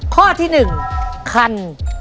ข้อที่๑คัน